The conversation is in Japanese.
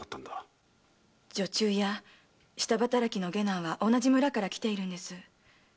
女中や下働きの下男は同じ村から来ているんです。